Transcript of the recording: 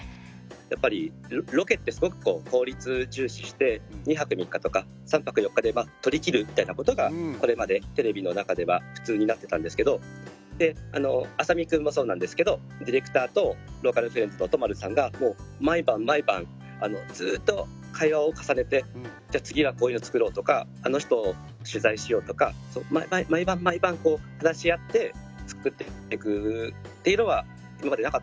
やっぱりロケってすごく効率重視して２泊３日とか３泊４日で撮りきるみたいなことがこれまでテレビの中では普通になってたんですけど浅見君もそうなんですけどディレクターとローカルフレンズの都丸さんが毎晩毎晩ずっと会話を重ねてじゃあ次はこういうの作ろうとかあの人を取材しようとか毎晩毎晩、話し合って作ってくっていうのは今までなかったと思います。